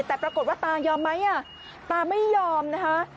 แต่ปรากฏว่าตายอมไหมอ่ะตาไม่ยอมนะคะ